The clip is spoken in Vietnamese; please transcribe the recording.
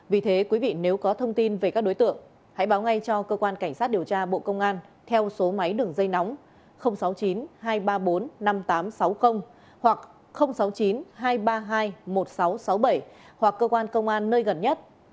vì thế quý vị nếu có thông tin về các đối tượng hãy báo ngay cho cơ quan cảnh sát điều tra bộ công an theo số máy đường dây nóng sáu mươi chín hai trăm ba mươi bốn năm nghìn tám trăm sáu mươi hoặc sáu mươi chín hai trăm ba mươi hai một nghìn sáu trăm sáu mươi bảy hoặc cơ quan công an nơi gần nhất